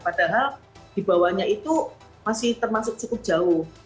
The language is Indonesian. padahal dibawahnya itu masih termasuk cukup jauh